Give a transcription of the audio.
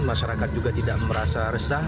masyarakat juga tidak merasa resah